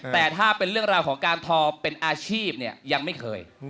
แต่ถ้าเป็นเรื่องราวของการทอเป็นอาชีพยังไม่เคย